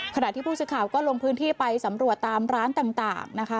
ขณะที่ผู้สื่อข่าวก็ลงพื้นที่ไปสำรวจตามร้านต่างนะคะ